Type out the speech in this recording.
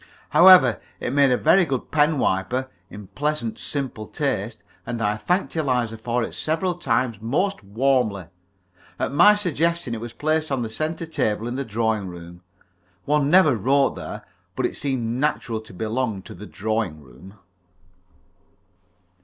However, it made a very good pen wiper, in pleasant, simple taste, and I thanked Eliza for it several times most warmly. At my suggestion it was placed on the centre table in the drawing room. One never wrote there, but it seemed naturally to belong to the drawing room.